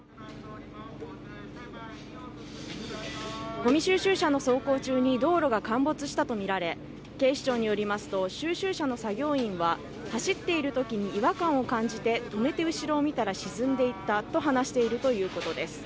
ごみ収集車の走行中に道路が陥没したとみられ警視庁によりますと収集車の作業員は走っているときに違和感を感じて、止めて後ろを見たら沈んでいったと話しているということです。